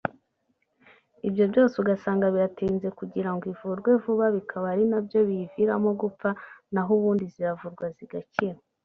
ibyo byose ugasanga biratinze kugira ngo ivurwe vuba bikaba ari nabyo biyiviramo gupfa naho ubundi ziravurwa zigakira